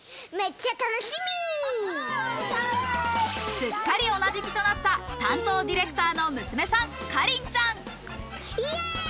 すっかりおなじみとなった担当ディレクターの娘さん・かりんちゃん。